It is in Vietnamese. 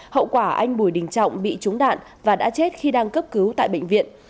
hậu quả anh bùi đình trọng bị trúng đạn và đã chết khi đang cấp cứu tại bệnh viện